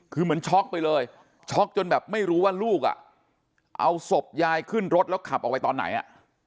คือเหมือนช็อกไปเลยช็อกจนแบบไม่รู้ว่าลูกอ่ะเอาศพยายขึ้นรถแล้วขับออกไปตอนไหนอ่ะ